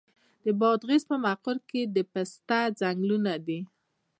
د بادغیس په مقر کې د پسته ځنګلونه دي.